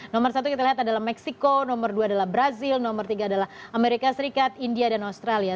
nomor satu kita lihat adalah meksiko nomor dua adalah brazil nomor tiga adalah amerika serikat india dan australia